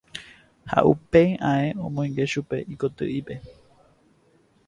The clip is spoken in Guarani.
Ha upéi ae omoinge chupe ikoty'ípe.